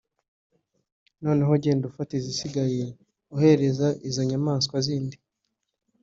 noneho genda ufata izisigaye uhereza izo nyamaswa zindi